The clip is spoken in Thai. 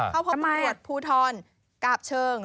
เข้าพบตำรวจภูทรกาบเชิง